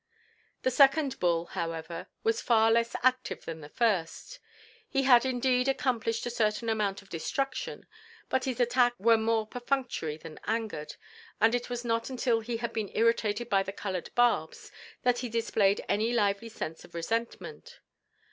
The second bull, however, was far less active than the first. He had indeed accomplished a certain amount of destruction, but his attacks were more perfunctory than angered, and it was not until he had been irritated by the colored barbs that he displayed any lively sense of resentment.